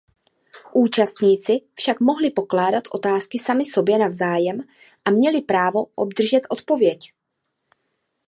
Účastníci však mohli pokládat otázky sami sobě navzájem a měli právo obdržet odpověď.